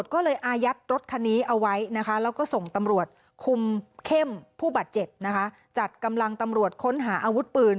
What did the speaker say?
คุมเข้มผู้บัตรเจ็ดนะคะจัดกำลังตำรวจค้นหาอาวุธปืน